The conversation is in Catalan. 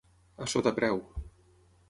A sota preu.